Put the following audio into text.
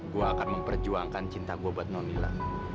gua akan memperjuangkan cinta gua buat nonila